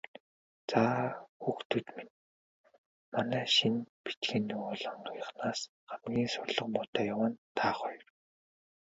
Заа, хүүхдүүд минь, манай шинэ бичгийн дугуйлангийнхнаас хамгийн сурлага муутай яваа нь та хоёр.